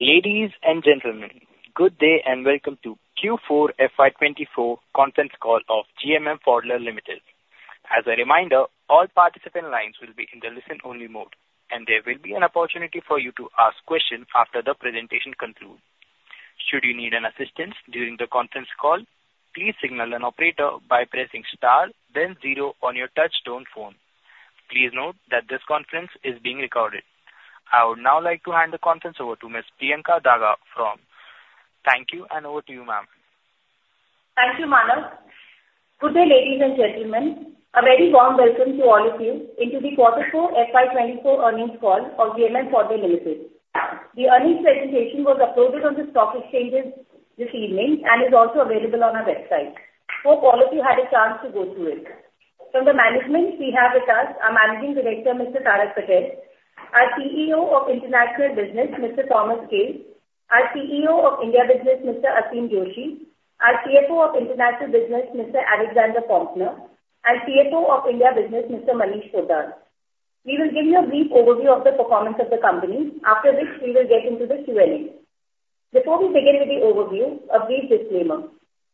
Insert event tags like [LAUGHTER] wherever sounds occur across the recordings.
Ladies and gentlemen, good day, and welcome to Q4 FY24 conference call of GMM Pfaudler Limited. As a reminder, all participant lines will be in the listen-only mode, and there will be an opportunity for you to ask questions after the presentation concludes. Should you need an assistance during the conference call, please signal an operator by pressing star then zero on your touchtone phone. Please note that this conference is being recorded. I would now like to hand the conference over to Ms. Priyanka Daga from. [AUDIO DISTORTION] Thank you, and over to you, ma'am. Thank you, Manav. Good day, ladies and gentlemen. A very warm welcome to all of you into the quarter four FY24 earnings call of GMM Pfaudler Limited. The earnings presentation was uploaded on the stock exchanges this evening and is also available on our website. Hope all of you had a chance to go through it. From the management, we have with us our Managing Director, Mr. Tarak Patel, our CEO of International Business, Mr. Thomas Kehl, our CEO of India Business, Mr. Aseem Joshi, our CFO of International Business, Mr. Alexander Faulkner, and CFO of India Business, Mr. Manish Sodha. We will give you a brief overview of the performance of the company. After this, we will get into the Q&A. Before we begin with the overview, a brief disclaimer.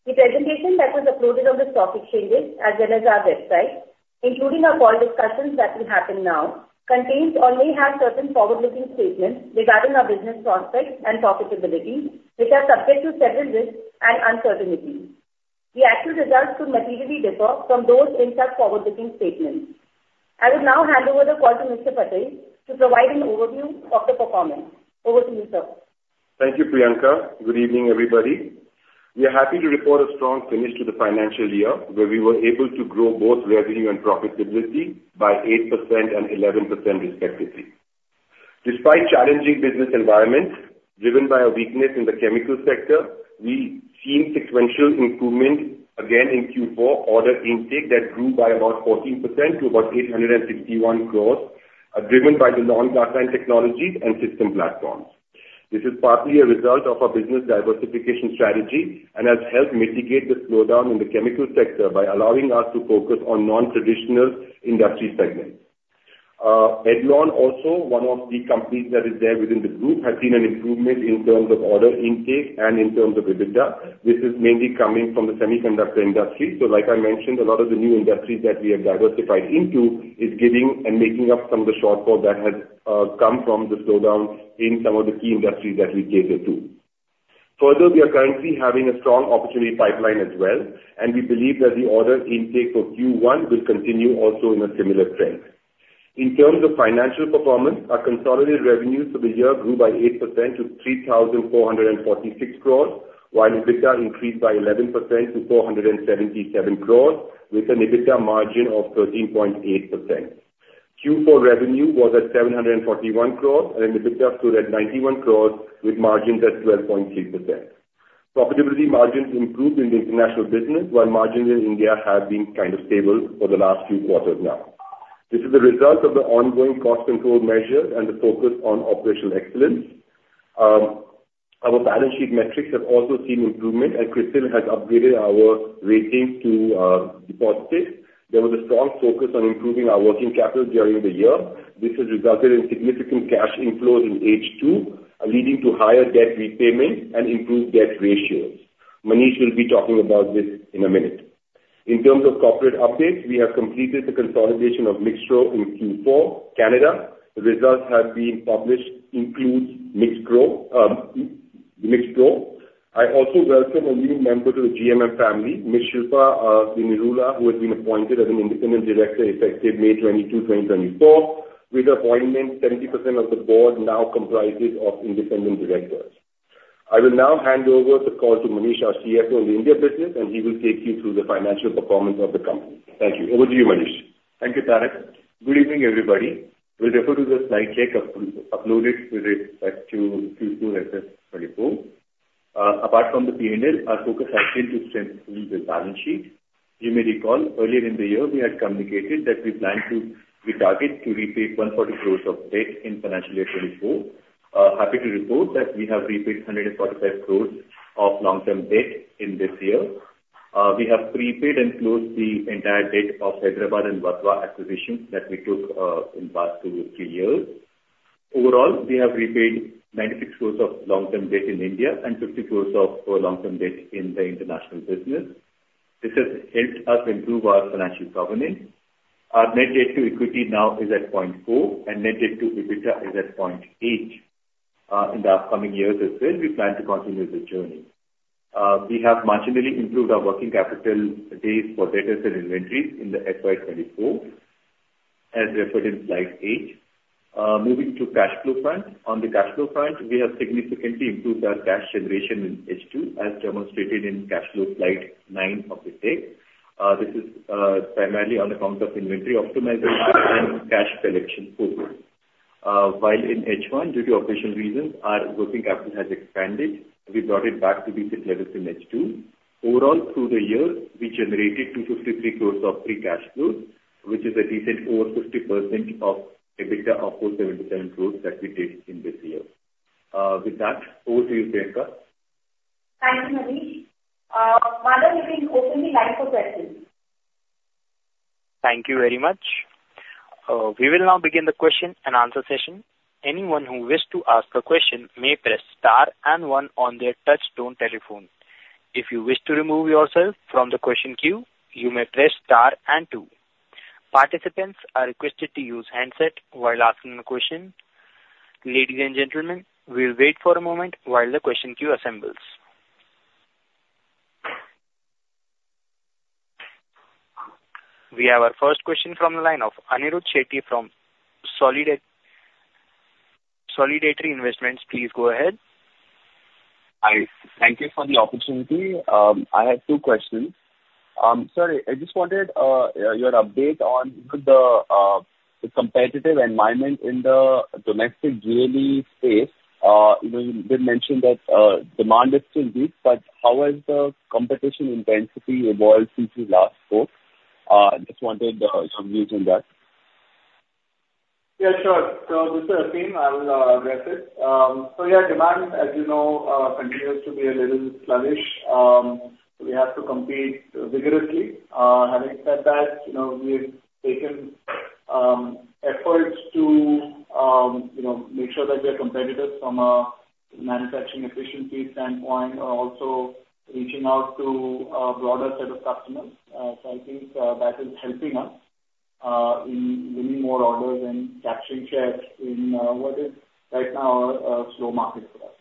The presentation that was uploaded on the stock exchanges as well as our website, including our call discussions that will happen now, contains or may have certain forward-looking statements regarding our business prospects and profitability, which are subject to several risks and uncertainties. The actual results could materially differ from those in such forward-looking statements. I will now hand over the call to Mr. Patel to provide an overview of the performance. Over to you, sir. Thank you, Priyanka. Good evening, everybody. We are happy to report a strong finish to the financial year, where we were able to grow both revenue and profitability by 8% and 11% respectively. Despite challenging business environment driven by a weakness in the chemical sector, we've seen sequential improvement again in Q4 order intake that grew by about 14% to about 861 crore, driven by the long-cycle technologies and system platforms. This is partly a result of our business diversification strategy and has helped mitigate the slowdown in the chemical sector by allowing us to focus on non-traditional industry segments. Edlon also, one of the companies that is there within the group, has seen an improvement in terms of order intake and in terms of EBITDA. This is mainly coming from the semiconductor industry. So like I mentioned, a lot of the new industries that we have diversified into is giving and making up some of the shortfall that has come from the slowdown in some of the key industries that we cater to. Further, we are currently having a strong opportunity pipeline as well, and we believe that the order intake for Q1 will continue also in a similar trend. In terms of financial performance, our consolidated revenues for the year grew by 8% to 3,446 crores, while EBITDA increased by 11% to 477 crores, with an EBITDA margin of 13.8%. Q4 revenue was at 741 crores and EBITDA stood at 91 crores, with margins at 12.3%. Profitability margins improved in the international business, while margins in India have been kind of stable for the last few quarters now. This is a result of the ongoing cost control measures and the focus on operational excellence. Our balance sheet metrics have also seen improvement, and CRISIL has upgraded our rating to positive. There was a strong focus on improving our working capital during the year. This has resulted in significant cash inflows in H2, leading to higher debt repayment and improved debt ratios. Manish will be talking about this in a minute. In terms of corporate updates, we have completed the consolidation of MixPro in Q4, Canada. The results have been published, includes MixPro. I also welcome a new member to the GMM family, Ms. Shilpa Divekar Nirula, who has been appointed as an independent director effective May 22, 2024. With the appointment, 70% of the board now comprises of independent directors. I will now hand over the call to Manish, our CFO in the India business, and he will take you through the financial performance of the company. Thank you. Over to you, Manish. Thank you, Tarak. Good evening, everybody. We refer to the slide deck uploaded to Q2 FY 2024. Apart from the P&L, our focus has been to strengthen the balance sheet. You may recall, earlier in the year, we had communicated that we plan to... We target to repay 140 crores of debt in financial year 2024. Happy to report that we have repaid 145 crores of long-term debt in this year. We have prepaid and closed the entire debt of Hyderabad and Vatva acquisitions that we took, in the past two or three years. Overall, we have repaid 96 crores of long-term debt in India and 50 crores of long-term debt in the international business. This has helped us improve our financial governance. Our net debt to equity now is at 0.4, and net debt to EBITDA is at 0.8. In the upcoming years as well, we plan to continue the journey. We have marginally improved our working capital days for debtors and inventories in the FY 2024, as referred in slide eight. Moving to cash flow front. On the cash flow front, we have significantly improved our cash generation in H2, as demonstrated in cash flow slide nine of the deck. This is, primarily on account of inventory optimization and cash collection improvement. While in H1, due to operational reasons, our working capital has expanded. We brought it back to business levels in H2. Overall, through the year, we generated 253 crores of free cash flow, which is a decent over 50% of EBITDA of 477 crores that we did in this year. With that, over to you, Priyanka. Thank you, Manish. Manav, you can open the line for questions. Thank you very much. We will now begin the question and answer session. Anyone who wishes to ask a question may press star and one on their touchtone telephone. If you wish to remove yourself from the question queue, you may press star and two. Participants are requested to use handset while asking the question. Ladies and gentlemen, we'll wait for a moment while the question queue assembles. We have our first question from the line of Anirudh Shetty from Solidarity Investment Managers. Please go ahead. I thank you for the opportunity. I have two questions. Sir, I just wanted your update on the competitive environment in the domestic GLE space. You know, you did mention that demand is still weak, but how has the competition intensity evolved since your last quote? Just wanted some views on that. Yeah, sure. So this is Aseem, I will address it. So, yeah, demand, as you know, continues to be a little sluggish. So we have to compete vigorously. Having said that, you know, we've taken efforts to, you know, make sure that we are competitive from a manufacturing efficiency standpoint, and also reaching out to a broader set of customers. So I think that is helping us in winning more orders and capturing shares in what is right now a slow market for us.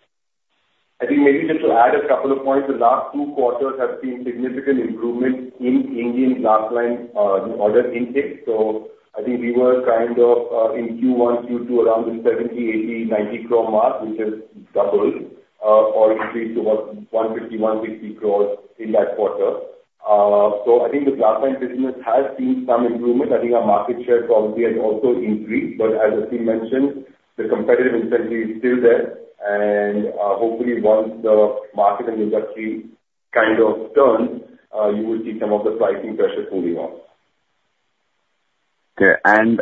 I think maybe just to add a couple of points, the last two quarters have seen significant improvement in Indian glass line order intake. So I think we were kind of, in Q1, Q2, around the 70 crore- 90 crore mark, which has doubled, or increased to about 150 crore- 160 crores in that quarter. So I think the glass line business has seen some improvement. I think our market share probably has also increased, but as Aseem mentioned, the competitive intensity is still there, and, hopefully once the market and the industry kind of turns, you will see some of the pricing pressure cooling off. Okay. And,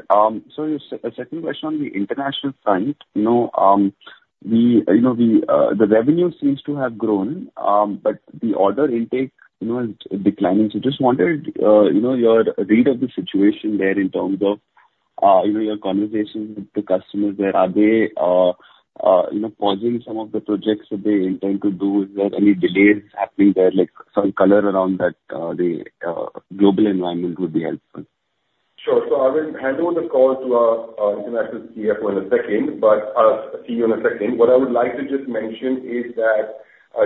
so second question on the international front, you know, we, you know, we, the revenue seems to have grown, but the order intake, you know, is declining. So just wanted, you know, your read of the situation there in terms of, you know, your conversations with the customers there. Are they, you know, pausing some of the projects that they intend to do? Is there any delays happening there? Like, some color around that, the global environment would be helpful. Sure. So I will hand over the call to our, international CFO in a second, but, CEO in a second. What I would like to just mention is that,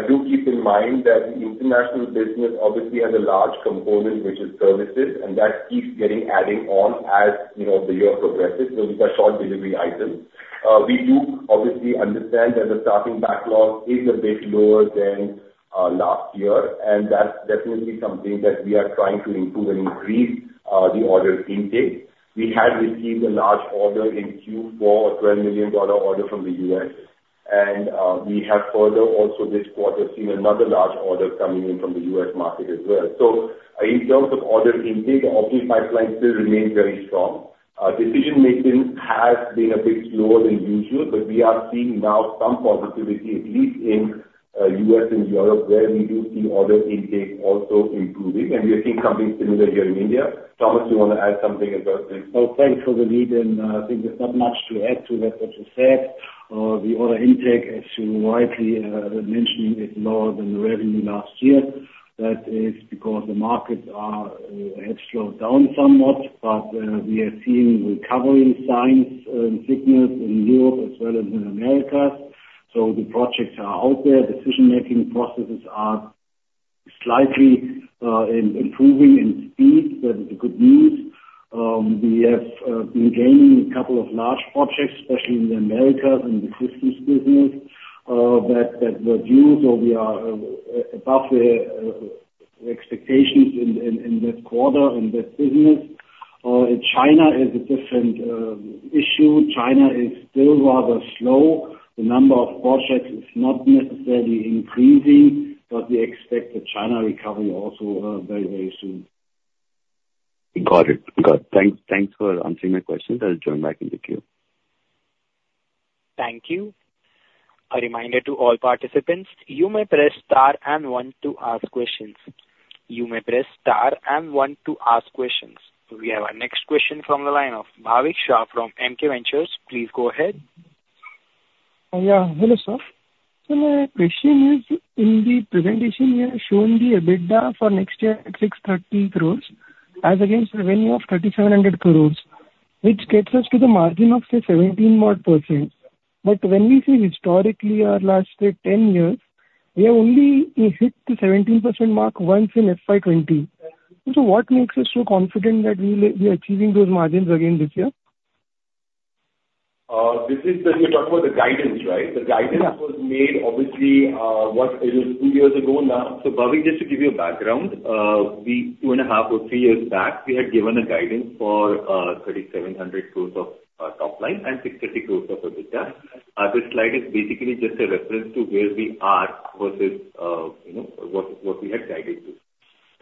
do keep in mind that the international business obviously has a large component, which is services, and that keeps getting adding on as, you know, the year progresses, so these are short delivery items. We do obviously understand that the starting backlog is a bit lower than, last year, and that's definitely something that we are trying to improve and increase, the order intake. We had received a large order in Q4, a $12 million order from the U.S. We have further also this quarter seen another large order coming in from the U.S. market as well. So in terms of order intake, obviously, pipeline still remains very strong. Decision-making has been a bit slower than usual, but we are seeing now some positivity, at least in U.S. and Europe, where we do see order intake also improving, and we are seeing something similar here in India. Thomas, you want to add something about this? Oh, thanks for the lead, and I think there's not much to add to that, what you said. The order intake, as you rightly mentioned, is lower than the revenue last year. That is because the markets have slowed down somewhat, but we are seeing recovery signs and signals in Europe as well as in Americas. So the projects are out there. Decision-making processes are slightly improving in speed. That is the good news. We have been gaining a couple of large projects, especially in the Americas, in the business that were due, so we are above the expectations in this quarter in this business. In China is a different issue. China is still rather slow. The number of projects is not necessarily increasing, but we expect the China recovery also, very, very soon. Got it. Got it. Thanks, thanks for answering my questions. I'll join back in the queue. Thank you. A reminder to all participants, you may press star and one to ask questions. You may press star and one to ask questions. We have our next question from the line of Bhavik Shah from MK Ventures. Please go ahead. Yeah. Hello, sir. So my question is, in the presentation, you have shown the EBITDA for next year at 630 crore, as against revenue of 3,700 crore, which gets us to the margin of, say, 17% odd. But when we see historically, our last, say, 10 years, we have only hit the 17% mark once in FY 2020. So what makes us so confident that we will be achieving those margins again this year? So you're talking about the guidance, right? Yeah. The guidance was made, obviously, what is it? two years ago now. So, Bhavik, just to give you a background, we 2.5 or 3 three years back, we had given a guidance for 3,700 crore of top line, and 60 crore of EBITDA. This slide is basically just a reference to where we are versus, you know, what we had guided to…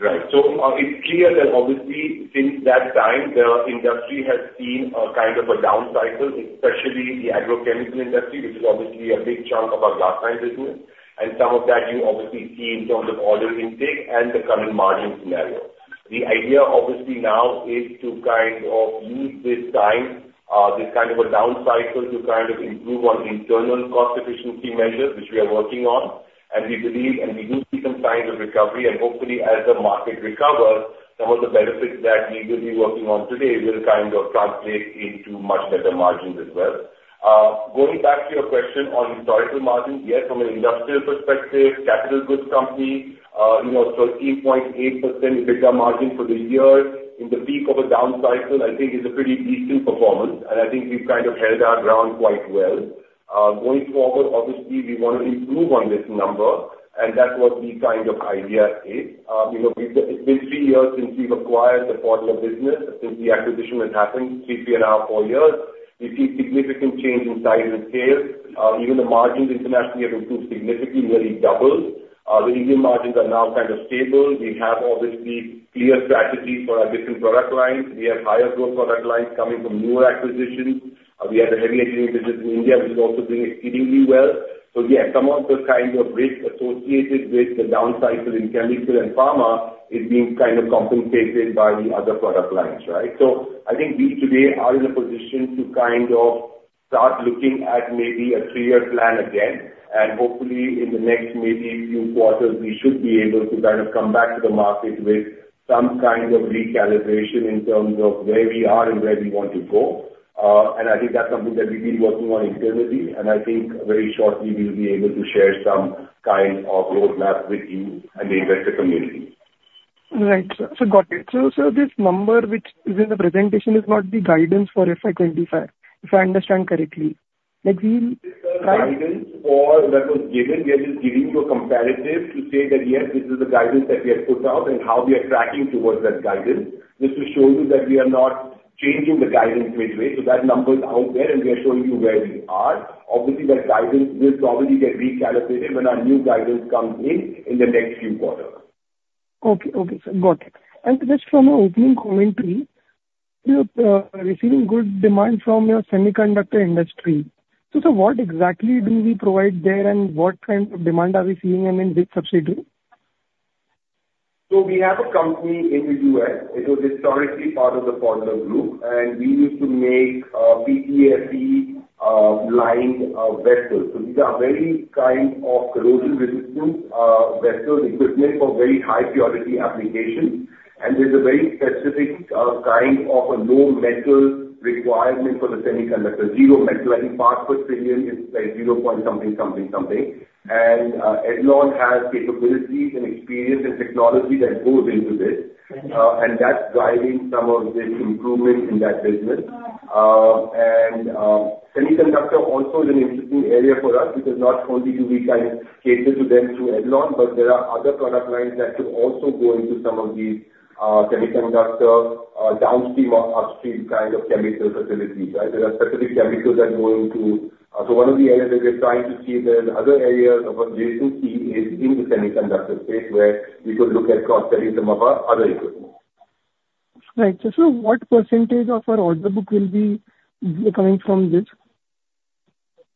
Right. So, it's clear that obviously, since that time, the industry has seen a kind of a down cycle, especially the agrochemical industry, which is obviously a big chunk of our glass line business, and some of that you obviously see in terms of order intake and the current margin scenario. The idea, obviously, now is to kind of use this time, this kind of a down cycle, to kind of improve on internal cost efficiency measures, which we are working on, and we believe, and we do see some signs of recovery. Hopefully, as the market recovers, some of the benefits that we will be working on today will kind of translate into much better margins as well. Going back to your question on historical margins, yes, from an industrial perspective, capital goods company, you know, 13.8% EBITDA margin for the year in the peak of a down cycle, I think is a pretty decent performance, and I think we've kind of held our ground quite well. Going forward, obviously, we want to improve on this number, and that's what the kind of idea is. You know, we've got- it's been three years since we've acquired the MixPro business. Since the acquisition has happened, 3.5, four years, we see significant change in size and scale. Even the margins internationally have improved significantly, nearly double. The Indian margins are now kind of stable. We have obviously clear strategies for our different product lines. We have higher growth product lines coming from newer acquisitions. We have a heavy engineering business in India, which is also doing exceedingly well. So yeah, some of the kind of risk associated with the down cycle in chemical and pharma is being kind of compensated by the other product lines, right? I think we today are in a position to kind of start looking at maybe a three-year plan again, and hopefully in the next maybe few quarters, we should be able to kind of come back to the market with some kind of recalibration in terms of where we are and where we want to go. I think that's something that we've been working on internally, and I think very shortly we'll be able to share some kind of roadmap with you and the investor community. Right. So got it. So, so this number, which is in the presentation, is not the guidance for FY25, if I understand correctly. Like we- That was given. We are just giving you a comparative to say that, yes, this is the guidance that we have put out and how we are tracking towards that guidance. Just to show you that we are not changing the guidance midway, so that number is out there, and we are showing you where we are. Obviously, that guidance will probably get recalibrated when our guidance comes in, in the next few quarters. Okay. Okay, sir. Got it. Just from your opening commentary, you're receiving good demand from your semiconductor industry. So sir, what exactly do we provide there, and what kind of demand are we seeing, and in which sub-segment? So we have a company in the US. It was historically part of the group, and we used to make PTFE lined vessels. So these are very kind of corrosion resistant vessels, equipment for very high purity applications. And there's a very specific kind of a no metal requirement for the semiconductor. Zero metal, I think, parts per million is like zero point something, something, something. And Edlon has capabilities and experience and technology that goes into this. Okay. And that's driving some of this improvement in that business. And semiconductor also is an interesting area for us, because not only do we kind of cater to them through Edlon, but there are other product lines that could also go into some of these, semiconductor, downstream or upstream kind of chemical facilities, right? There are specific chemicals that go into... So one of the areas that we're trying to see the other areas of adjacencies is in the semiconductor space, where we could look at cross-selling some of our other equipment. Right. So, sir, what percentage of our order book will be coming from this?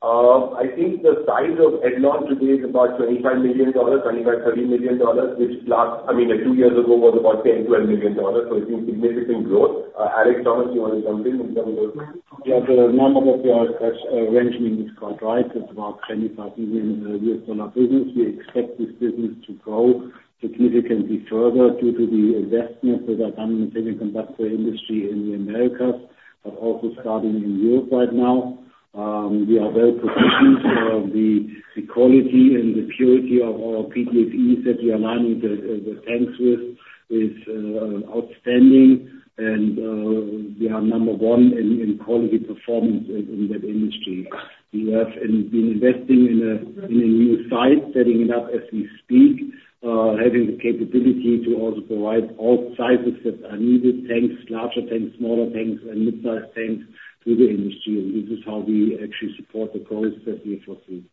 I think the size of Edlon today is about $25 million-$30 million, which last, I mean, two years ago was about $10 million-$12 million. So it's been significant growth. Alex, Thomas, you want to jump in in terms of- Yeah, the number that you are mentioning is quite right. It's about $25 million business. We expect this business to grow significantly further due to the investment that are done in the semiconductor industry in the Americas, but also starting in Europe right now. We are very proud of the quality and the purity of our PTFE that we are lining the tanks with is outstanding, and we are number one in quality performance in that industry. We have been investing in a new site, setting it up as we speak, having the capability to also provide all sizes that are needed, tanks, larger tanks, smaller tanks and mid-size tanks to the industry. And this is how we actually support the growth that we foresee.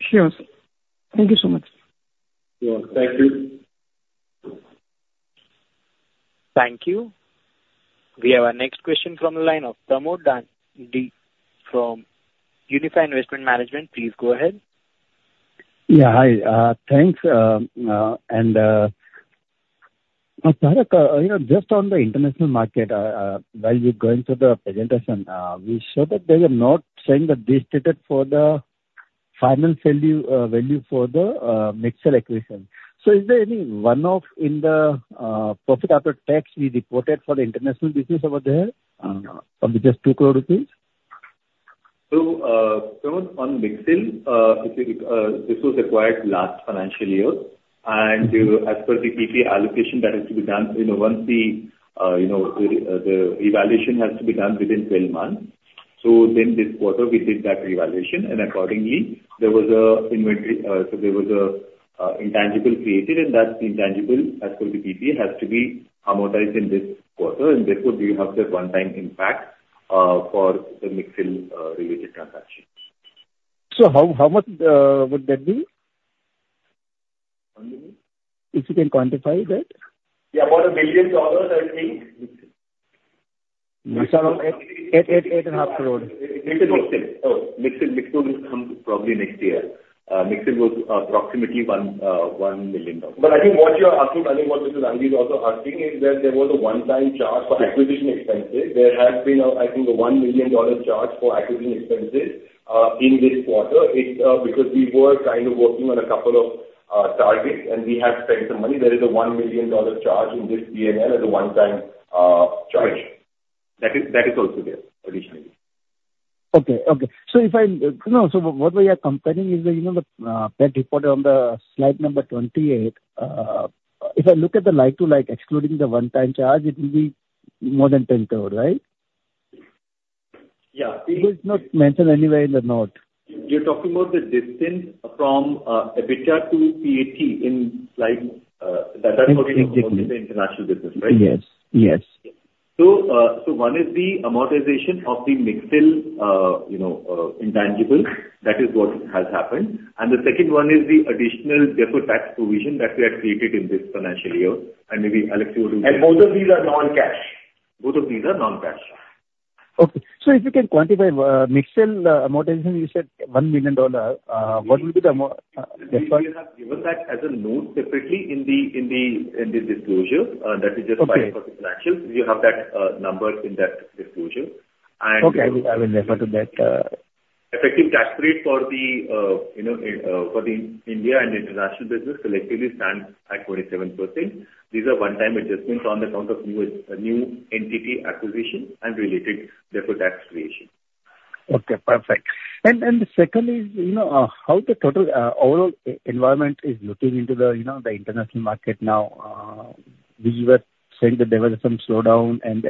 Sure. Thank you so much. You're welcome. Thank you. Thank you. We have our next question from the line of Pramod Dangi from Unifi Capital. Please go ahead. Yeah, hi. Thanks. And, Tarak, you know, just on the international market, while we're going through the presentation, we saw that they are not saying that they stated for the final value, value for the, Mixel acquisition. So is there any one-off in the, profit after tax we reported for the international business over there, from just 2 crore? So, Pramod, on Mixel, this was acquired last financial year, and as per the PPA allocation that has to be done, you know, once the evaluation has to be done within 12 months. So then this quarter we did that evaluation, and accordingly, there was a inventory... So there was a intangible created, and that intangible, as per the PPA, has to be amortized in this quarter, and therefore we have the one-time impact for the Mixel related transaction. So how much would that be? Pardon me? If you can quantify that. Yeah, about $1 million, I think. INR 8 crore- INR 8.5 crore. Oh, Mixel, Mixel will come probably next year. Mixel was approximately $1 million. But I think what you're asking, I think what Mr. Dangi is also asking, is that there was a one-time charge for acquisition expenses. There has been a, I think, a $1 million charge for acquisition expenses, in this quarter. It's, because we were kind of working on a couple of, targets, and we have spent some money. There is a $1 million charge in this PNL as a one-time, charge. That is, that is also there additionally. Okay. Okay. So if I, you know, so what we are comparing is the, you know, the that reported on the slide number 28. If I look at the like to like excluding the one-time charge, it will be more than 10 crore, right? Yeah. It is not mentioned anywhere in the note. You're talking about the distance from EBITDA to PAT in slide that is the international business, right? Yes. Yes. So, one is the amortization of the Mixel, you know, intangible. That is what has happened. And the second one is the additional deferred tax provision that we had created in this financial year, and maybe Alex, you want to- Both of these are non-cash. Both of these are non-cash. Okay. So if you can quantify Mixel amortization, you said $1 million. What will be the amortization, yes, sir? We have given that as a note separately in the disclosure, that is just- Okay. -for financial. We have that number in that disclosure, and- Okay, I will, I will refer to that. Effective tax rate for the, you know, for the India and international business collectively stands at 47%. These are one-time adjustments on account of new, new entity acquisition and related deferred tax creation. Okay, perfect. And secondly, you know, how the total overall environment is looking into the international market now, you know, which you were saying that there was some slowdown, and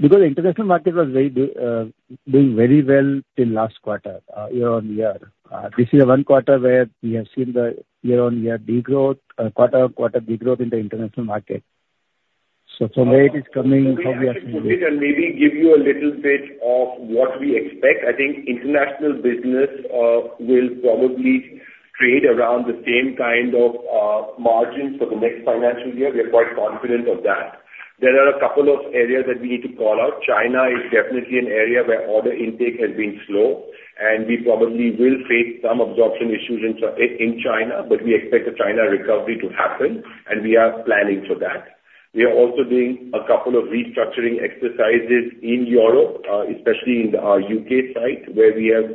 because the international market was very doing very well till last quarter, year on year. This is one quarter where we have seen the year-on-year degrowth, quarter-on-quarter degrowth in the international market. So from where it is coming, how we are seeing it? Maybe give you a little bit of what we expect. I think international business will probably trade around the same kind of margins for the next financial year. We are quite confident of that. There are a couple of areas that we need to call out. China is definitely an area where order intake has been slow, and we probably will face some absorption issues in China, but we expect the China recovery to happen, and we are planning for that. We are also doing a couple of restructuring exercises in Europe, especially in the U.K. site, where we have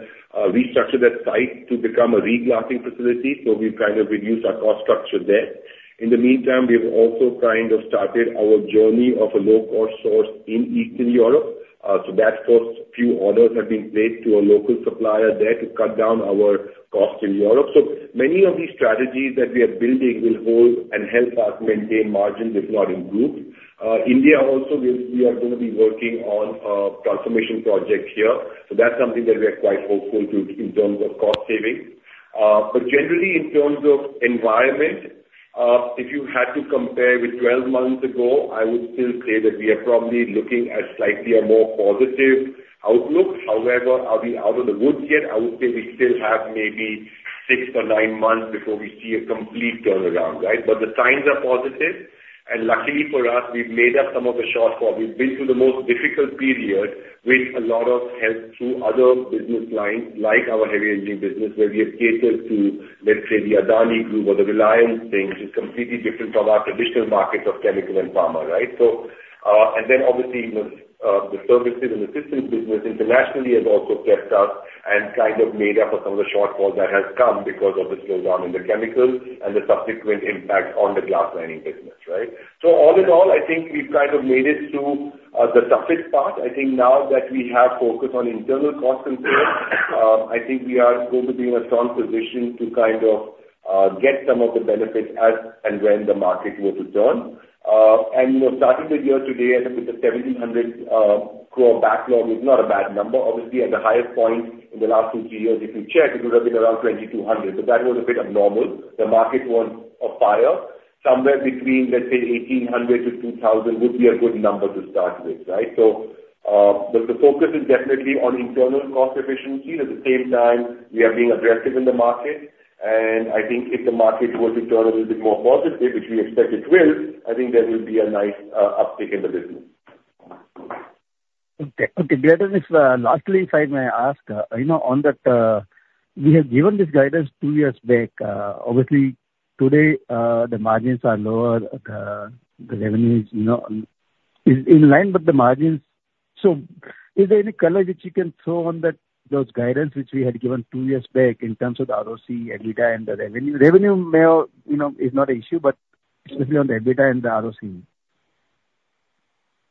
restructured that site to become a reglassing facility, so we're trying to reduce our cost structure there. In the meantime, we have also kind of started our journey of a low-cost sourcing in Eastern Europe. So that first few orders have been made to a local supplier there to cut down our cost in Europe. So many of these strategies that we are building will hold and help us maintain margins, if not improve. India also, we, we are going to be working on a transformation project here. So that's something that we are quite hopeful to in terms of cost savings. But generally, in terms of environment, if you had to compare with 12 months ago, I would still say that we are probably looking at slightly a more positive outlook. However, are we out of the woods yet? I would say we still have maybe 6 or 9 months before we see a complete turnaround, right? But the signs are positive, and luckily for us, we've made up some of the shortfall. We've been through the most difficult period, with a lot of help through other business lines, like our heavy engineering business, where we have catered to, let's say, the Adani Group or the Reliance things, is completely different from our traditional markets of chemical and pharma, right? So, and then obviously, with, the services and the systems business internationally has also kept up and kind of made up for some of the shortfall that has come because of the slowdown in the chemicals and the subsequent impact on the glass lining business, right? So all in all, I think we've kind of made it through, the toughest part. I think now that we have focused on internal cost control, I think we are going to be in a strong position to kind of get some of the benefits as and when the market were to turn. And, you know, starting the year today with the 1,700 crore backlog is not a bad number. Obviously, at the highest point in the last two to three years, if you check, it would have been around 2,200. So that was a bit abnormal. The market was on fire. Somewhere between, let's say, 1,800-2,000 would be a good number to start with, right? So, but the focus is definitely on internal cost efficiency. At the same time, we are being aggressive in the market, and I think if the market were to turn a little bit more positive, which we expect it will, I think there will be a nice, uptick in the business. Okay. Okay, great. Lastly, if I may ask, you know, on that, we have given this guidance two years back. Obviously, today, the margins are lower, the revenues, you know, is in line, but the margins. So is there any color which you can throw on that, those guidance, which we had given two years back in terms of the ROC, EBITDA and the revenue? Revenue may, you know, is not an issue, but especially on the EBITDA and the ROC.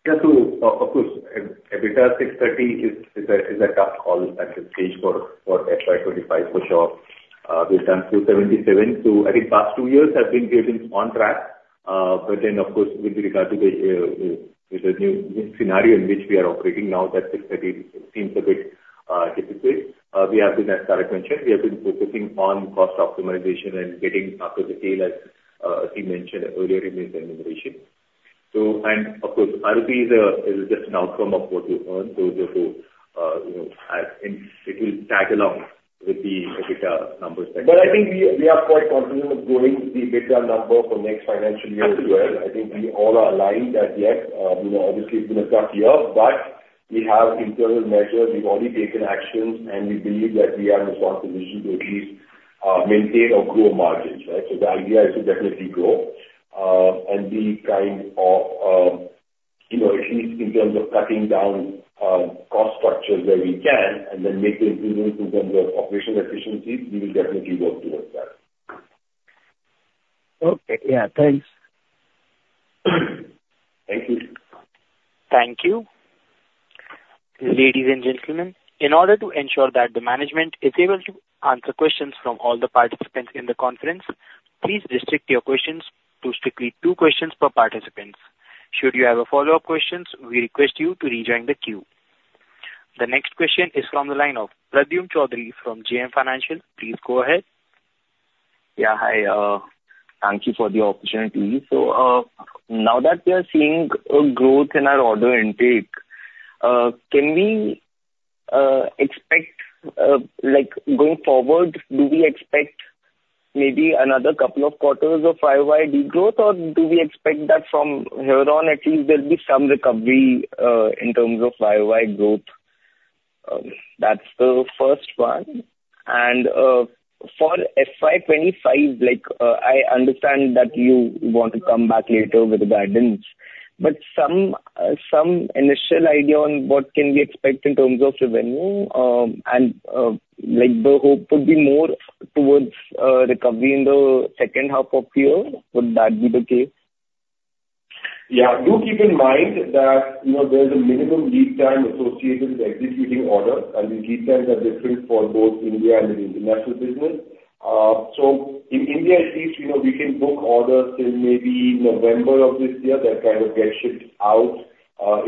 Yeah, so of course, EBITDA 630 is a tough call at this stage for FY 2025, for sure. We've done 277, so I think past two years have been getting on track. But then, of course, with regard to the new scenario in which we are operating now, that INR 630 seems a bit difficult. We have been focusing on cost optimization and getting up to the scale, as Tarak mentioned, as he mentioned earlier in his presentation. So, and of course, ARUP is just an outcome of what you earn. So, you know, and it will tag along with the EBITDA numbers that- But I think we are quite confident of growing the EBITDA number for next financial year as well. I think we all are aligned that, yes, you know, obviously it's been a tough year, but we have internal measures, we've already taken actions, and we believe that we are in a strong position to at least maintain or grow margins, right? So the idea is to definitely grow, and be kind of, you know, at least in terms of cutting down cost structures where we can, and then make the improvements in terms of operational efficiencies, we will definitely work towards that. Okay. Yeah, thanks. Thank you. Thank you. Ladies and gentlemen, in order to ensure that the management is able to answer questions from all the participants in the conference, please restrict your questions to strictly two questions per participants. Should you have a follow-up questions, we request you to rejoin the queue. The next question is from the line of Pradyumn Choudhary from JM Financial. Please go ahead. Yeah, hi, thank you for the opportunity. So, now that we are seeing a growth in our order intake, can we expect, like, going forward, do we expect maybe another couple of quarters of FY de-growth, or do we expect that from here on, at least there'll be some recovery, in terms of FY growth? That's the first one. For FY 25, like, I understand that you want to come back later with guidance, but some initial idea on what can we expect in terms of revenue. And, like, the hope would be more towards, recovery in the second half of the year. Would that be the case? Yeah. Do keep in mind that, you know, there's a minimum lead time associated with executing orders, and the lead times are different for both India and the international business. So in India, at least, you know, we can book orders till maybe November of this year, that kind of get shipped out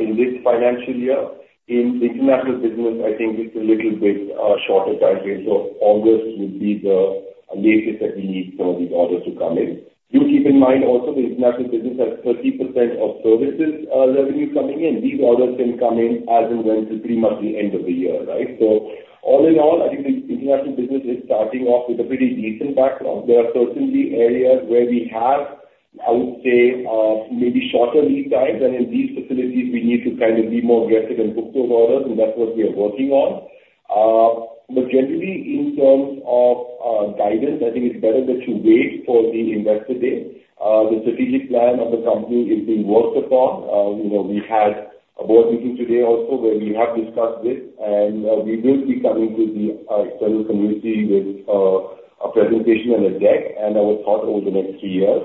in this financial year. In international business, I think it's a little bit shorter time frame. So August would be the latest that we need some of these orders to come in. Do keep in mind also, the international business has 30% of services revenues coming in. These orders can come in as and when, till pretty much the end of the year, right? So all in all, I think the international business is starting off with a pretty decent background. There are certainly areas where we have, I would say, maybe shorter lead times, and in these facilities we need to kind of be more aggressive and book those orders, and that's what we are working on. But generally, in terms of guidance, I think it's better that you wait for the investor day. The strategic plan of the company is being worked upon. You know, we had a board meeting today also where we have discussed this, and we will be coming to the external community with a presentation and a deck, and our thoughts over the next three years,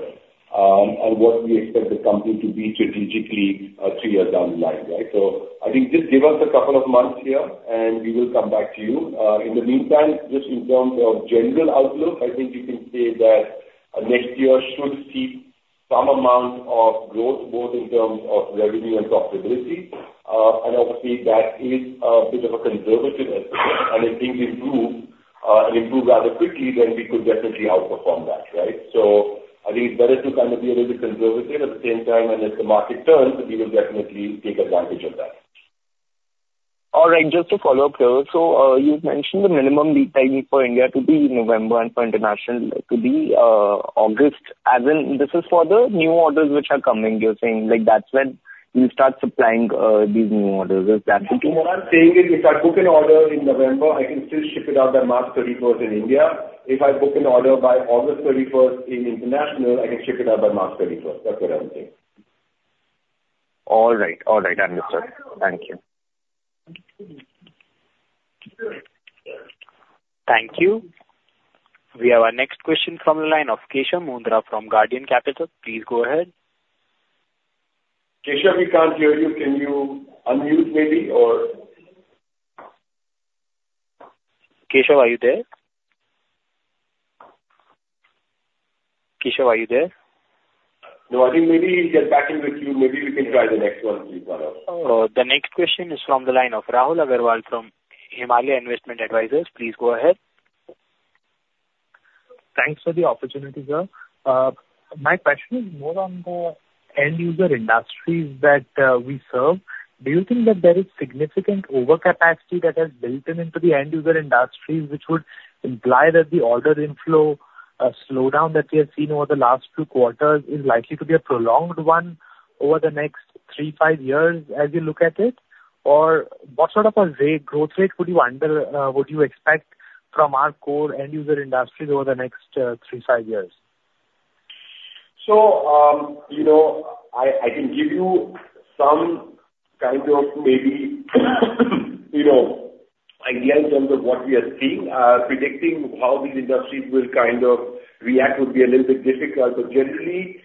and what we expect the company to be strategically three years down the line, right? So I think just give us a couple of months here, and we will come back to you. In the meantime, just in terms of general outlook, I think you can say that next year should see some amount of growth, both in terms of revenue and profitability. And obviously, that is a bit of a conservative estimate, and I think we improve, and improve rather quickly, then we could definitely outperform that, right? So I think it's better to kind of be a little conservative at the same time, and if the market turns, we will definitely take advantage of that. All right, just to follow up here. So, you've mentioned the minimum lead time for India to be November and for international to be August. As in, this is for the new orders which are coming, you're saying, like, that's when you start supplying these new orders. Is that- What I'm saying is, if I book an order in November, I can still ship it out by March 31 in India. If I book an order by August 31 in international, I can ship it out by March 31. That's what I'm saying. All right. All right, understood. Thank you. Thank you. We have our next question from the line of Keshav Mundra from Guardian Capital. Please go ahead. Keshav, we can't hear you. Can you unmute maybe, or? Keshav, are you there? Keshav, are you there? No, I think maybe he'll get back in with you. Maybe we can try the next one, please, follow. The next question is from the line of Rahul Agarwal from Himalaya Investment Advisors. Please go ahead. Thanks for the opportunity, sir. My question is more on the end user industries that we serve. Do you think that there is significant overcapacity that has built in into the end user industries, which would imply that the order inflow slowdown that we have seen over the last two quarters is likely to be a prolonged one over the next three, five years as you look at it? Or what sort of a rate, growth rate would you expect from our core end user industries over the next three, five years? So, you know, I can give you some kind of maybe, you know, idea in terms of what we are seeing. Predicting how these industries will kind of react would be a little bit difficult. But generally,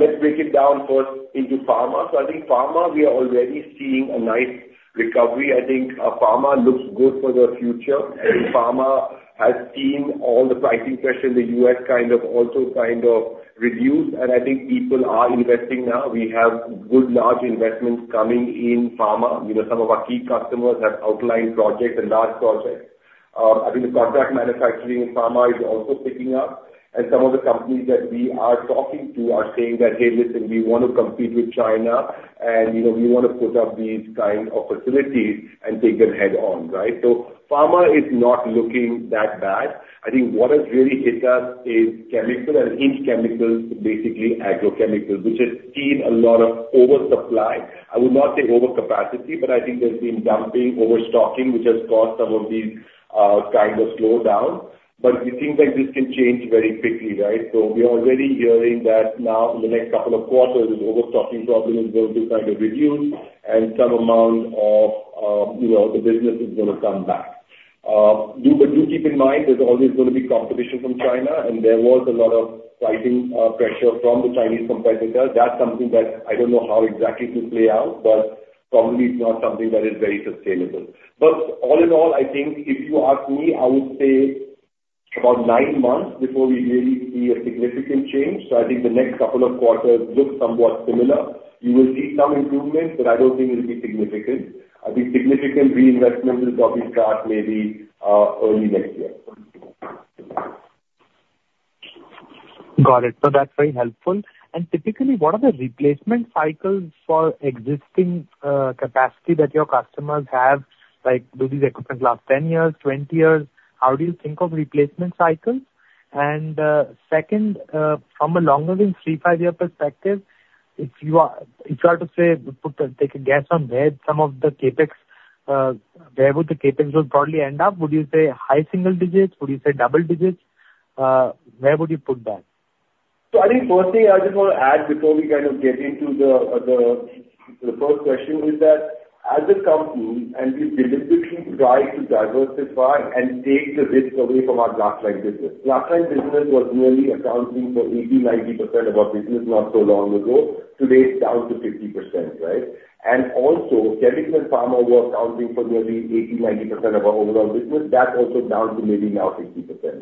let's break it down first into pharma. So I think pharma, we are already seeing a nice recovery. I think, pharma looks good for the future. I think pharma has seen all the pricing pressure in the U.S. kind of also kind of reduce, and I think people are investing now. We have good large investments coming in pharma. You know, some of our key customers have outlined projects and large projects... I think the contract manufacturing in pharma is also picking up, and some of the companies that we are talking to are saying that, "Hey, listen, we want to compete with China, and, you know, we want to put up these kind of facilities and take them head on," right? So pharma is not looking that bad. I think what has really hit us is chemical, and in chemical, basically agrochemicals, which has seen a lot of oversupply. I would not say overcapacity, but I think there's been dumping, overstocking, which has caused some of these, kind of slowdown. But we think that this can change very quickly, right? So we are already hearing that now in the next couple of quarters, the overstocking problem is going to kind of reduce and some amount of, you know, the business is gonna come back. But do keep in mind there's always gonna be competition from China, and there was a lot of pricing pressure from the Chinese competitors. That's something that I don't know how exactly to play out, but probably it's not something that is very sustainable. But all in all, I think if you ask me, I would say about nine months before we really see a significant change. So I think the next couple of quarters look somewhat similar. You will see some improvements, but I don't think it'll be significant. I think significant reinvestment will probably start maybe early next year. Got it. So that's very helpful. And typically, what are the replacement cycles for existing, capacity that your customers have? Like, do these equipment last 10 years, 20 years? How do you think of replacement cycles? And, second, from a longer-term three to five-year perspective, if you are, if you are to say, put a, take a guess on where some of the CapEx, where would the CapEx will probably end up? Would you say high single digits? Would you say double digits? Where would you put that? So I think firstly, I just want to add before we kind of get into the first question, is that as a company and we've deliberately tried to diversify and take the risk away from our glass line business. Glass line business was really accounting for 80%-90% of our business not so long ago. Today, it's down to 50%, right? And also, chemical and pharma were accounting for nearly 80%-90% of our overall business. That's also down to maybe now 50%,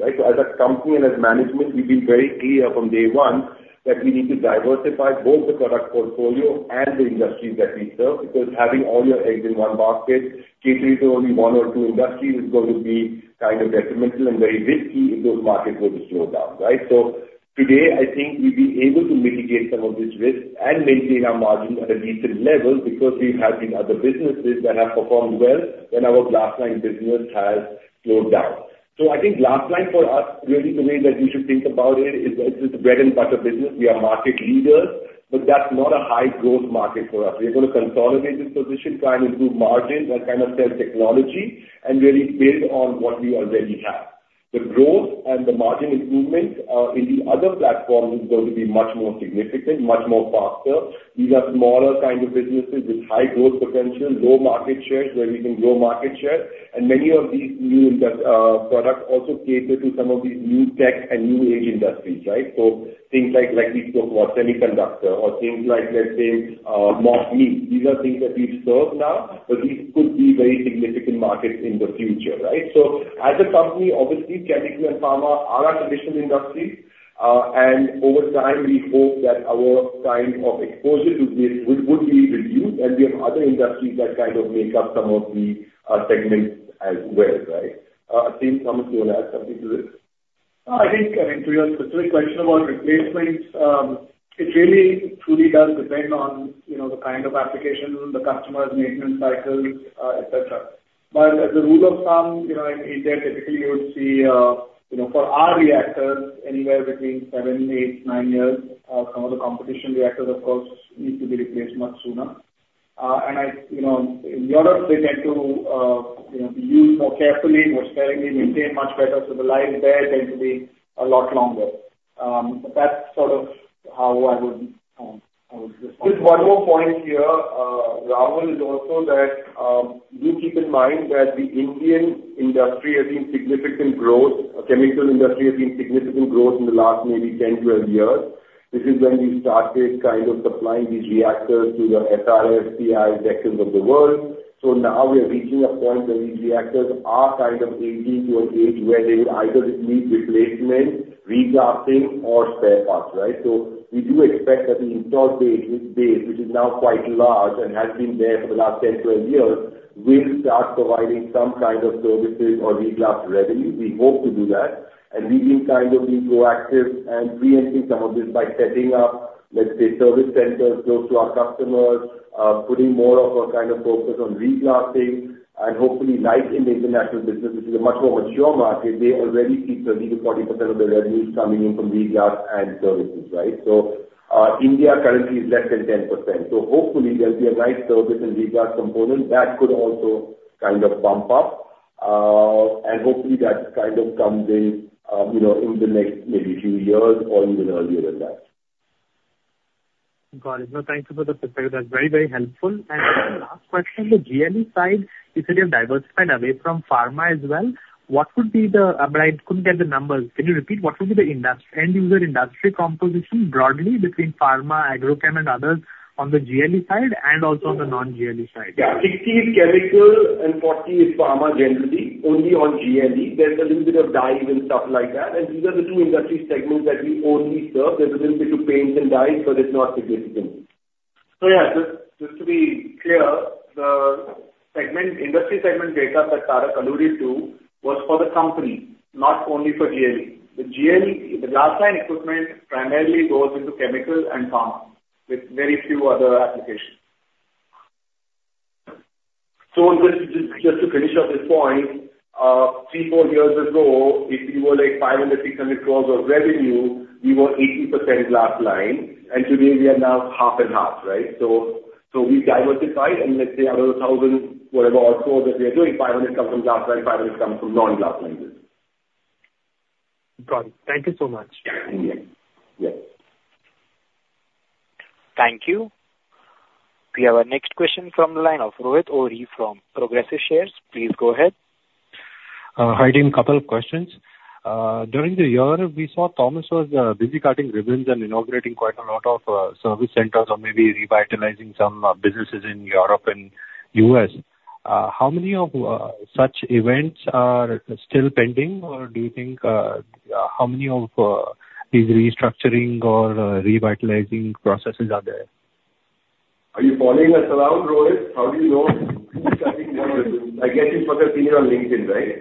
right? So as a company and as management, we've been very clear from day one that we need to diversify both the product portfolio and the industries that we serve, because having all your eggs in one basket catering to only one or two industries is going to be kind of detrimental and very risky if those markets were to slow down, right? So today, I think we've been able to mitigate some of this risk and maintain our margins at a decent level because we've had these other businesses that have performed well when our glass line business has slowed down. So I think glass line for us, really the way that we should think about it is it's a bread and butter business. We are market leaders, but that's not a high growth market for us. We're going to consolidate this position, try and improve margins and kind of sell technology and really build on what we already have. The growth and the margin improvements in the other platforms is going to be much more significant, much more faster. These are smaller kind of businesses with high growth potential, low market share, where we can grow market share, and many of these new products also cater to some of these new tech and new age industries, right? So things like, like we spoke about semiconductor or things like, let's say, mock meat. These are things that we serve now, but these could be very significant markets in the future, right? So as a company, obviously, chemical and pharma are our traditional industries. And over time, we hope that our kind of exposure to this would be reduced, and we have other industries that kind of make up some of the segments as well, right? I think, Aseem, do you want to add something to this? I think, I mean, to your specific question about replacements, it really truly does depend on, you know, the kind of application, the customer's maintenance cycles, et cetera. But as a rule of thumb, you know, in India, typically, you would see, you know, for our reactors, anywhere between 7, 8, 9 years. And I... You know, in Europe, they tend to, you know, be used more carefully, more sparingly, maintained much better, so the life there tend to be a lot longer. But that's sort of how I would, I would respond. Just one more point here, Rahul, is also that, do keep in mind that the Indian industry has seen significant growth, chemical industry has seen significant growth in the last maybe 10, 12 years. This is when we started kind of supplying these reactors to the SRF, PI sectors of the world. So now we are reaching a point where these reactors are kind of aging to an age where they will either need replacement, reglassing or spare parts, right? So we do expect that the installed base, which is now quite large and has been there for the last 10, 12 years, will start providing some kind of services or reglass revenue. We hope to do that, and we've been kind of being proactive and preempting some of this by setting up, let's say, service centers close to our customers, putting more of a kind of focus on reglassing. And hopefully, like in the international business, which is a much more mature market, they already see 30%-40% of the revenues coming in from reglass and services, right? So, India currently is less than 10%. So hopefully there'll be a nice service and reglass component that could also kind of bump up. And hopefully, that kind of comes in, you know, in the next maybe few years or even earlier than that. Got it. No, thank you for the perspective. That's very, very helpful. And then the last question, the GLE side, you said you've diversified away from pharma as well. What would be the, but I couldn't get the numbers. Can you repeat? What would be the industry, end user industry composition broadly between pharma, agrochem, and others on the GLE side and also on the non-GLE side? Yeah, 60 is chemical and 40 is pharma, generally, only on GLE. There's a little bit of dyes and stuff like that, and these are the two industry segments that we only serve. There's a little bit of paints and dyes, but it's not significant. So yeah, just, just to be clear, the segment, industry segment data that Tarak alluded to was for the company, not only for GLE. The GLE, the glass-lined equipment primarily goes into chemicals and pharma, with very few other applications. So just, just, just to finish off this point, three, four years ago, if we were like 500-600 crore of revenue, we were 80% glass-lined, and today we are now 50/50, right? We've diversified and let's say out of the 1,000, whatever also that we are doing, 500 comes from glass line, 500 comes from non-glass line business. Got it. Thank you so much. Yeah. Thank you. We have our next question from the line of Rohit Ohri from Progressive Shares. Please go ahead. Hi, team. Couple of questions. During the year, we saw Thomas was busy cutting ribbons and inaugurating quite a lot of service centers or maybe revitalizing some businesses in Europe and U.S. How many of such events are still pending, or do you think how many of these restructuring or revitalizing processes are there? Are you following us around, Rohit? How do you know? I guess you must have seen it on LinkedIn, right?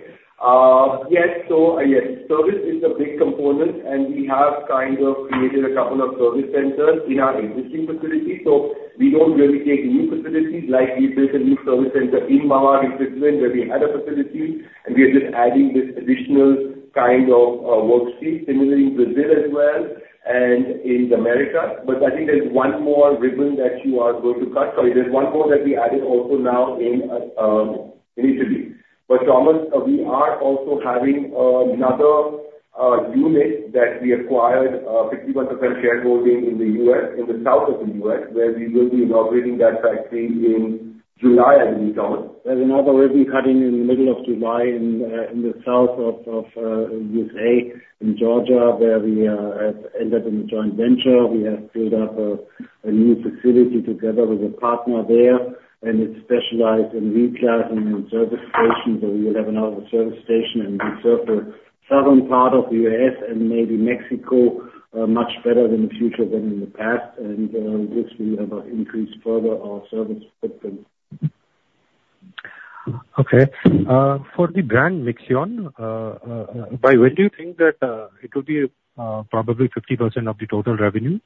Yes. So, yes, service is a big component, and we have kind of created a couple of service centers in our existing facilities. So we don't really take new facilities, like we built a new service center in Baar, in Switzerland, where we had a facility, and we are just adding this additional kind of workshop. Similarly, in Brazil as well and in America. But I think there's one more ribbon that you are going to cut. Sorry, there's one more that we added also now in India. But Thomas, we are also having another unit that we acquired 51% shareholding in the U.S., in the south of the U.S., where we will be inaugurating that factory in July, I believe, Thomas. There's another ribbon cutting in the middle of July in the south of USA, in Georgia, where we have entered into a joint venture. We have built up a new facility together with a partner there, and it's specialized in reglassing and services. So we will have another service station, and we serve the southern part of the U.S. and maybe Mexico much better in the future than in the past, and which we have increased further our service footprint. Okay. For the brand MixPro, by when do you think that it will be probably 50% of the total revenue?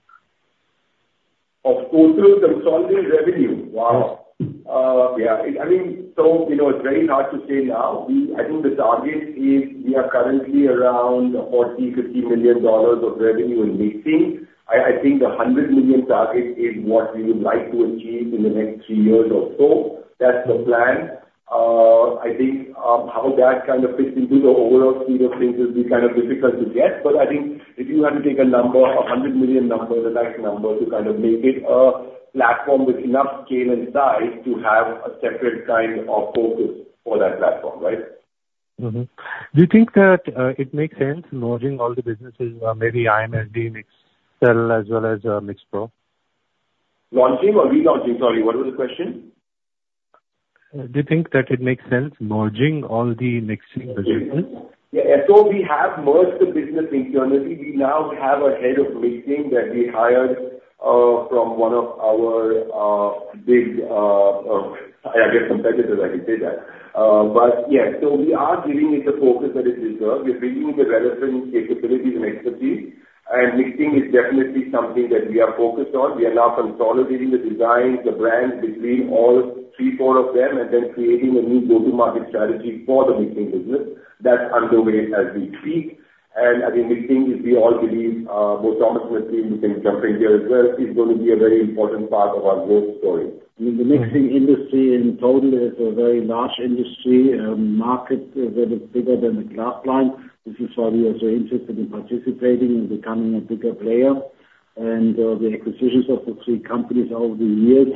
Of total consolidated revenue? Wow! Yeah, I mean, so, you know, it's very hard to say now. I think the target is we are currently around $40-$50 million of revenue in mixing. I think the $100 million target is what we would like to achieve in the next three years or so. That's the plan. I think how that kind of fits into the overall scheme of things will be kind of difficult to guess, but I think if you had to take a number, a $100 million number is a nice number to kind of make it a platform with enough scale and size to have a separate kind of focus for that platform, right? Do you think that it makes sense merging all the businesses, maybe IMD, Mixel, as well as MixPro? Launching or relaunching? Sorry, what was the question? Do you think that it makes sense merging all the mixing businesses? Yeah, so we have merged the business internally. We now have a head of mixing that we hired from one of our big, I guess, competitors, I can say that. But yeah, so we are giving it the focus that it deserves. We're bringing the relevant capabilities and expertise, and mixing is definitely something that we are focused on. We are now consolidating the designs, the brands between all three, four of them, and then creating a new go-to-market strategy for the mixing business. That's underway as we speak. And I think mixing, as we all believe, both Thomas and the team, you can jump in here as well, is going to be a very important part of our growth story. I mean, the mixing industry in total is a very large industry, market that is bigger than the glass line. This is why we are so interested in participating and becoming a bigger player. And, the acquisitions of the three companies over the years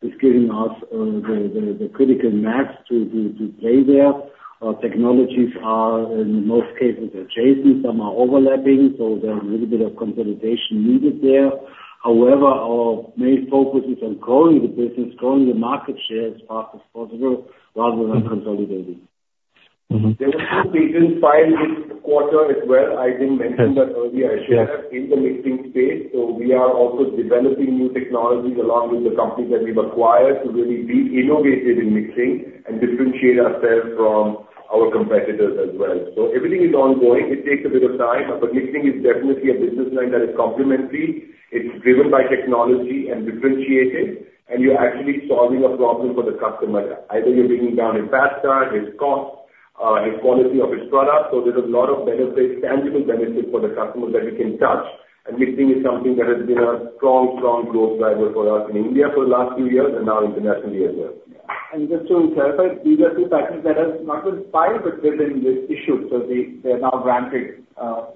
is giving us, the critical mass to play there. Our technologies are, in most cases, adjacent. Some are overlapping, so there are a little bit of consolidation needed there. However, our main focus is on growing the business, growing the market share as fast as possible, rather than consolidating. Mm-hmm. There were two patents filed this quarter as well. I didn't mention that earlier. Sure. In the mixing space, so we are also developing new technologies along with the companies that we've acquired, to really be innovative in mixing and differentiate ourselves from our competitors as well. So everything is ongoing. It takes a bit of time, but mixing is definitely a business line that is complementary, it's driven by technology and differentiated, and you're actually solving a problem for the customer. Either you're bringing down his faster, his cost, his quality of his product. So there's a lot of benefits, tangible benefits for the customer that we can touch. And mixing is something that has been a strong, strong growth driver for us in India for the last few years and now internationally as well. Just to clarify, these are two patents that have not been filed, but they've been issued, so they're now granted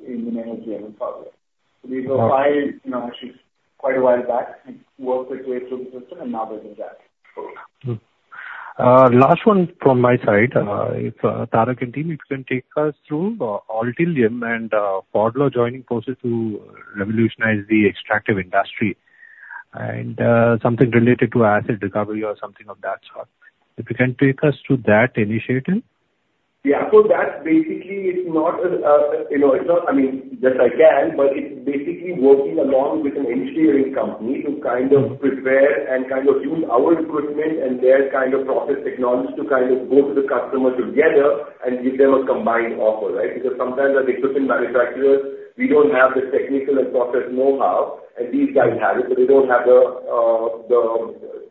in the name of GMM. So these were filed, you know, actually quite a while back and worked their way through the system, and now they're done. Last one from my side. If Tarak and team, if you can take us through Altilium and Pfaudler joining forces to revolutionize the extractive industry and something related to asset recovery or something of that sort. If you can take us through that initiative? Yeah, so that's basically it's not, you know, it's not, I mean, yes, I can, but it's basically working along with an engineering company to kind of prepare and kind of use our equipment and their kind of process technology to kind of go to the customer together and give them a combined offer, right? Because sometimes as equipment manufacturers, we don't have the technical and process know-how, and these guys have it, but they don't have the,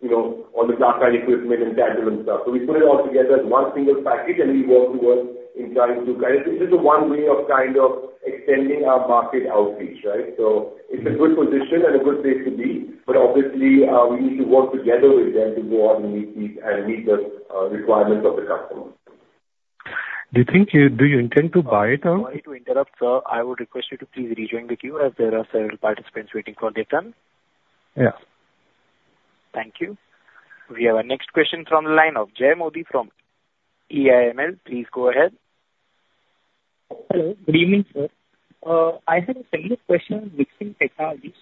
you know, all the equipment and tangible stuff. So we put it all together as one single package, and we work towards in trying to guide. This is the one way of kind of extending our market outreach, right? So it's a good position and a good place to be, but obviously, we need to work together with them to go out and meet these, and meet the requirements of the customer. Do you intend to buy it out? Sorry to interrupt, sir. I would request you to please rejoin the queue, as there are several participants waiting for their turn. Yeah. Thank you. We have our next question from the line of Jay Modi from EIML. Please go ahead. Hello. Good evening, sir. I had a similar question on mixing technology.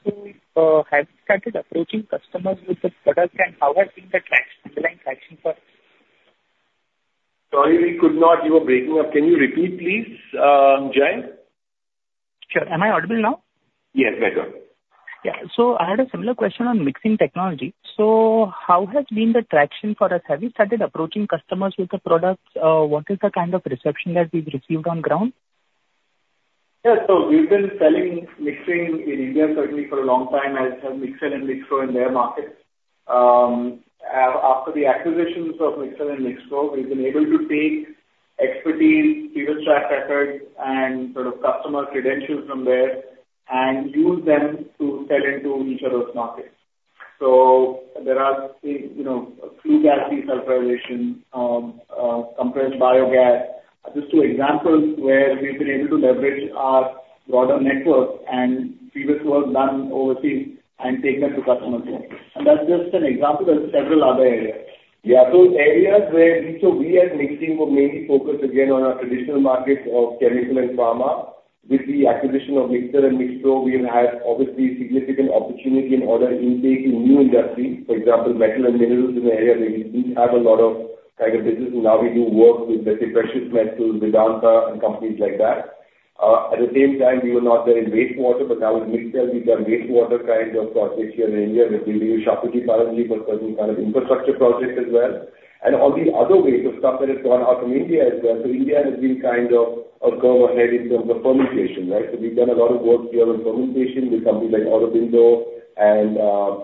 So, have you started approaching customers with the product, and how has been the traction, underlying traction for it? Sorry, we could not give a breakdown. Can you repeat, please, Jay? Sure. Am I audible now? Yes, better. Yeah. So I had a similar question on mixing technology. So how has been the traction for us? Have you started approaching customers with the products? What is the kind of reception that we've received on ground? Yeah. So we've been selling mixing in India, certainly for a long time, as have Mixel and MixPro in their markets. After the acquisitions of Mixel and MixPro, we've been able to take expertise, previous track record, and sort of customer credentials from there and use them to sell into each other's markets. So there are, you know, two gas desulfurization, compressed biogas. Just two examples where we've been able to leverage our broader network and previous work done overseas and take them to customers. And that's just an example, there are several other areas. Yeah, so areas where... So we as Mixing were mainly focused again on our traditional markets of chemical and pharma. With the acquisition of Mixel and MixPro, we will have obviously significant opportunity in order intake in new industries, for example, metal and minerals is an area where we didn't have a lot of kind of business, and now we do work with, let's say, precious metals, Vedanta and companies like that. At the same time, we were not there in wastewater, but now with Mixel, we've done wastewater kind of projects here in India, with currently, but certain kind of infrastructure projects as well, and all these other ways of stuff that has gone out from India as well. So India has been kind of a curve ahead in terms of fermentation, right? So we've done a lot of work here on fermentation with companies like Aurobindo and,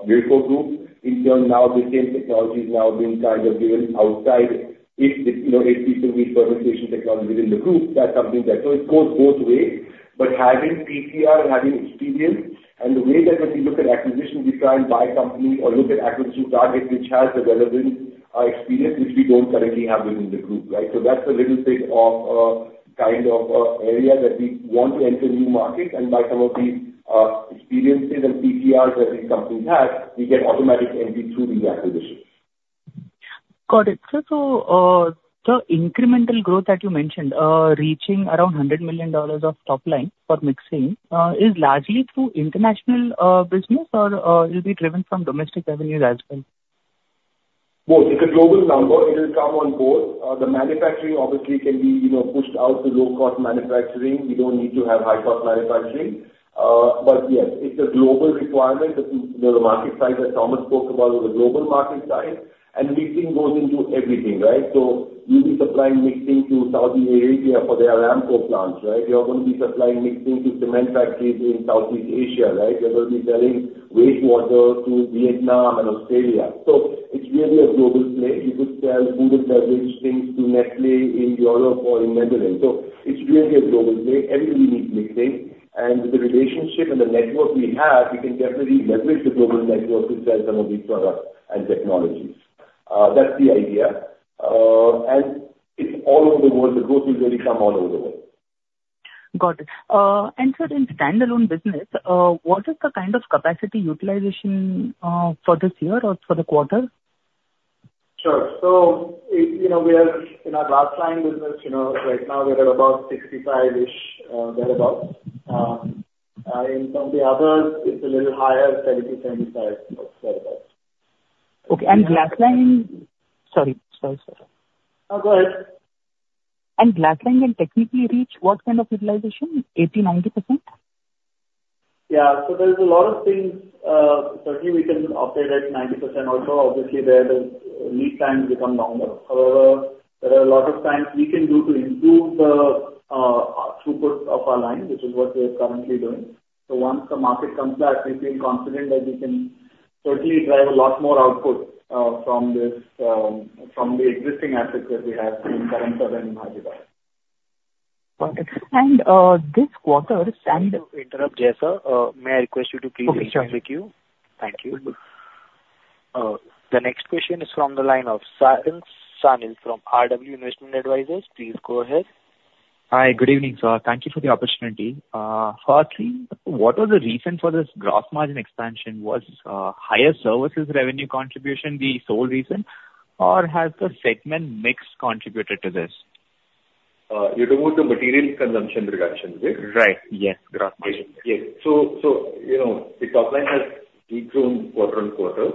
Wipro Group. In turn, now the same technology is now being kind of given outside. If, you know, if it will be fermentation technology within the group, that company that, so it goes both ways. But having PTR and having experience and the way that when we look at acquisitions, we try and buy a company or look at acquisition targets, which has the relevant, experience, which we don't currently have within the group, right? So that's a little bit of, kind of, area that we want to enter new markets, and by some of these, experiences and PTRs that these companies have, we get automatic entry through the acquisitions. Got it. Sir, so, the incremental growth that you mentioned, reaching around $100 million of top line for mixing, is largely through international, business, or, or it'll be driven from domestic revenues as well? Both. It's a global number. It will come on board. The manufacturing obviously can be, you know, pushed out to low-cost manufacturing. We don't need to have high-cost manufacturing. But yes, it's a global requirement. The, you know, the market size that Thomas spoke about was a global market size, and mixing goes into everything, right? So you'll be supplying mixing to Saudi Arabia for their Aramco plants, right? You are going to be supplying mixing to cement factories in Southeast Asia, right? You're going to be selling wastewater to Vietnam and Australia. So it's really a global play. You could sell food and beverage things to Nestlé in Europe or in Netherlands. So it's really a global play. Everybody needs mixing, and the relationship and the network we have, we can definitely leverage the global network to sell some of these products and technologies. That's the idea. And it's all over the world. The growth will really come all over the world. Got it. And, sir, in standalone business, what is the kind of capacity utilization for this year or for the quarter? Sure. So, you know, we are in our glass lining business, you know, right now we're at about 65-ish, thereabout. And from the others, it's a little higher, 70, 75, thereabout. Okay, and glass lining... Sorry, sorry, sir. No, go ahead. Glass lining can technically reach what kind of utilization? 80%-90%? Yeah. So there's a lot of things, certainly we can operate at 90%. Also, obviously, there the lead times become longer. However, there are a lot of times we can do to improve the throughput of our line, which is what we're currently doing. So once the market comes back, we feel confident that we can certainly drive a lot more output, from this, from the existing assets that we have in Karamsad and Vatva. Got it. And, this quarter- Sorry to interrupt, Jay, sir. May I request you to please- Okay, sure. Join the queue? Thank you. The next question is from the line of Sarin Sanil from RW Investment Advisors. Please go ahead. Hi. Good evening, sir. Thank you for the opportunity. Firstly, what was the reason for this gross margin expansion? Was higher services revenue contribution the sole reason, or has the segment mix contributed to this? You're talking about the material consumption reduction, right? Right. Yes, gross margin. Yes. So, you know, the top line has degrown quarter-on-quarter,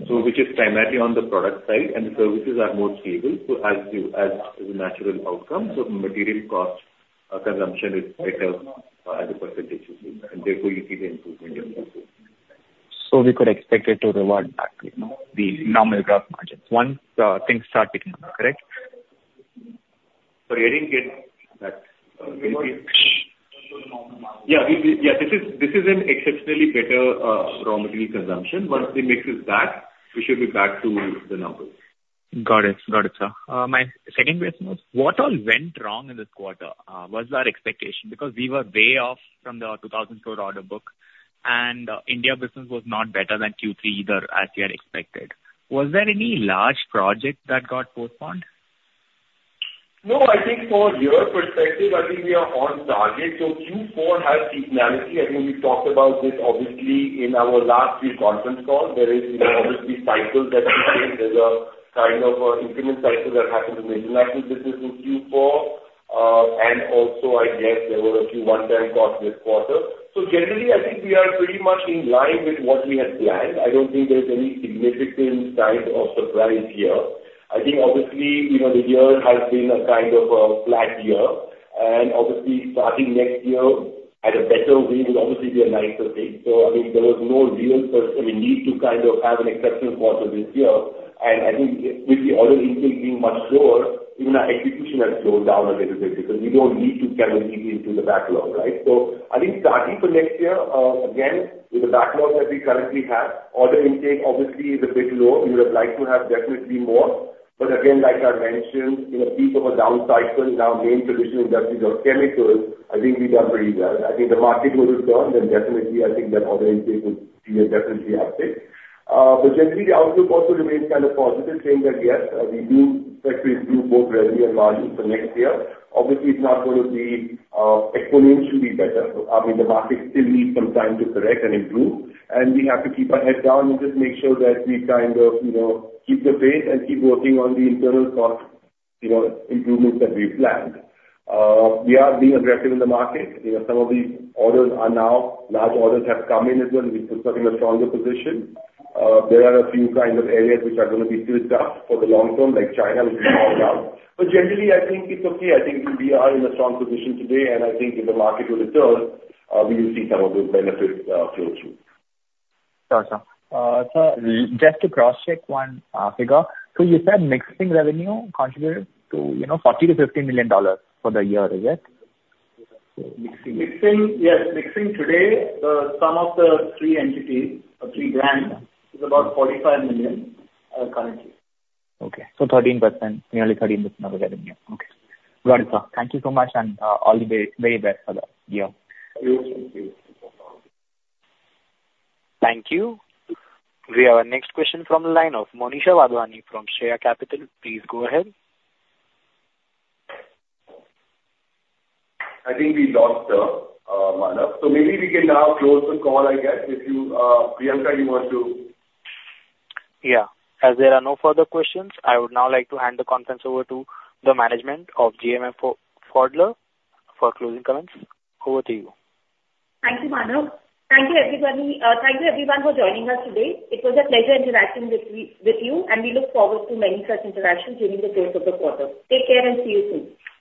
which is primarily on the product side, and the services are more stable. So as you, as the natural outcome, material costs, our consumption is better, as a percentage, and therefore you see the improvement in the. So we could expect it to rebound back, you know, the normal gross margins once things start picking up, correct? Sorry, I didn't get that. Can you- Normal margin. Yeah. Yeah, this is an exceptionally better raw material consumption. Once the mix is back, we should be back to the normal. Got it. Got it, sir. My second question was, what all went wrong in this quarter? Was that expectation? Because we were way off from the 2,004 crore order book, and India Business was not better than Q3 either, as we had expected. Was there any large project that got postponed? No, I think from your perspective, I think we are on target. So Q4 has seasonality. I think we talked about this obviously in our last three conference calls. There is, you know, obviously cycles that there's a kind of an increment cycle that happened in the international business in Q4. And also I guess there were a few one-time costs this quarter. So generally, I think we are pretty much in line with what we had planned. I don't think there's any significant kind of surprise here. I think obviously, you know, the year has been a kind of a flat year, and obviously starting next year at a better way will obviously be a nicer thing. So I think there was no real—I mean, need to kind of have an exceptional quarter this year. I think with the order intake being much lower, even our execution has slowed down a little bit because we don't need to kind of dig into the backlog, right? I think starting for next year, again, with the backlog that we currently have, order intake obviously is a bit low. We would have liked to have definitely more, but again, like I mentioned, in a peak of a down cycle, now main traditional industries or chemicals, I think we've done pretty well. I think the market will return, then definitely I think that order intake would be definitely uptick. But generally, the outlook also remains kind of positive, saying that, yes, we do expect to improve both revenue and margins for next year. Obviously, it's not going to be exponentially better. I mean, the market still needs some time to correct and improve, and we have to keep our head down and just make sure that we kind of, you know, keep the pace and keep working on the internal costs, you know, improvements that we've planned. We are being aggressive in the market. You know, some of these orders are now, large orders have come in, and so we put up in a stronger position. There are a few kind of areas which are going to be still tough for the long term, like China, which is no doubt. But generally, I think it's okay. I think we are in a strong position today, and I think if the market will return, we will see some of those benefits, flow through. Got you. Sir, just to cross-check one figure. So you said mixing revenue contributed to, you know, $40 million-$50 million for the year, is it? Mixing. Mixing, yes. Mixing today, some of the three entities or three brands is about 45 million, currently. Okay. So 13%, nearly 13% of the revenue. Okay. Got it, sir. Thank you so much, and all the very best for the year. Thank you. Thank you. We have our next question from the line of Monisha Wadhwani from Sharekhan. Please go ahead. I think we lost her, Manav. So maybe we can now close the call, I guess, if you, Priyanka, you want to- Yeah. As there are no further questions, I would now like to hand the conference over to the management of GMM Pfaudler for closing comments. Over to you. Thank you, Manav. Thank you, everybody. Thank you, everyone, for joining us today. It was a pleasure interacting with you, and we look forward to many such interactions during the course of the quarter. Take care and see you soon.